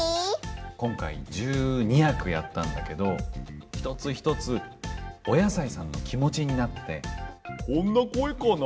今回１２役やったんだけど、一つ一つお野菜さんの気持ちになって、こんな声かな？